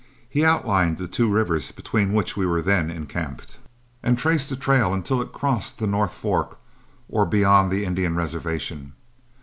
He outlined the two rivers between which we were then encamped, and traced the trail until it crossed the North Fork or beyond the Indian reservation.